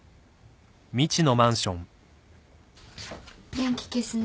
電気消すね。